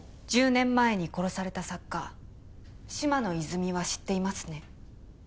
１０年前に殺された作家嶋野泉水は知っていますね？